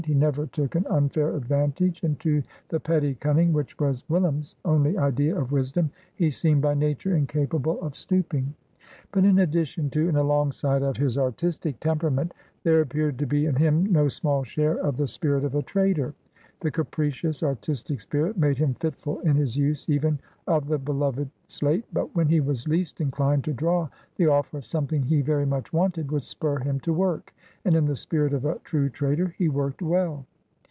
He never took an unfair advantage, and to the petty cunning which was "Willum's" only idea of wisdom he seemed by nature incapable of stooping. But in addition to, and alongside of, his artistic temperament, there appeared to be in him no small share of the spirit of a trader. The capricious, artistic spirit made him fitful in his use even of the beloved slate; but, when he was least inclined to draw, the offer of something he very much wanted would spur him to work; and in the spirit of a true trader, he worked well.